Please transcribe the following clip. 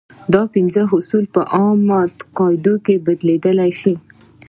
دا پنځه اصول په عامې قاعدې بدلېدلی شي.